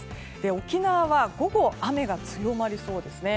沖縄は午後、雨が強まりそうですね。